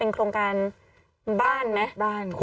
กล้องกว้างอย่างเดียว